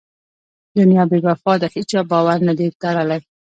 دنیا بې وفا ده هېچا بار نه دی تړلی.